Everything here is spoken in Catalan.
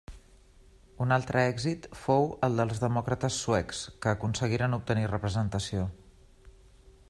Un altre èxit fou el dels Demòcrates Suecs, que aconseguiren obtenir representació.